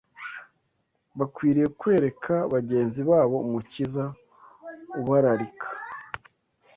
Bakwiriye kwereka bagenzi babo Umukiza ubararika